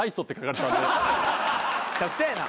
めちゃくちゃやな。